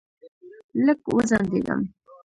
لږ وځنډېدم.